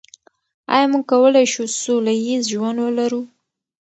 آیا موږ کولای شو سوله ییز ژوند ولرو؟